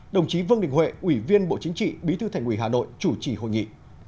đồng chí vương đình huệ ủy viên bộ chính trị bí thư thành ủy hà nội chủ trì hội nghị